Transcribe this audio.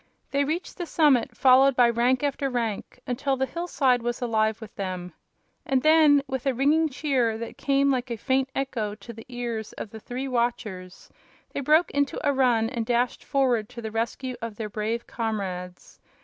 They reached the summit, followed by rank after rank, until the hillside was alive with them. And then, with a ringing cheer that came like a faint echo to the ears of the three watchers, they broke into a run and dashed forward to the rescue of their brave comrades.